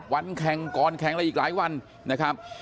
วันแข่งก่อนแข่งอะไรอีกหลายวันนะครับ